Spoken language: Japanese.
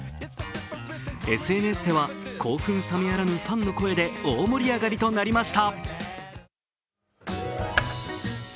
ＳＮＳでは興奮冷めやらぬファンの声で大盛り上がりとなりました。